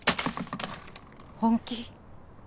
本気？